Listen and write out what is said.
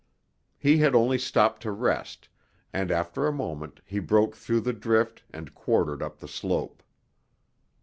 He had only stopped to rest, and after a moment he broke through the drift and quartered up the slope.